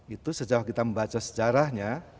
itu sejauh kita membaca sejarahnya